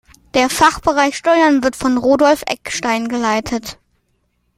Der Fachbereich Steuern wird von Rudolf Eckstein geleitet.